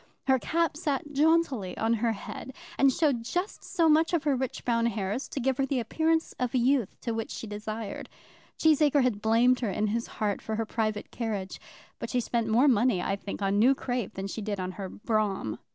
Her cap sat jauntily on her head, and showed just so much of her rich brown hair as to give her the appearance of youth which she desired. Cheesacre had blamed her in his heart for her private carriage, but she spent more money, I think, on new crape than she did on her brougham.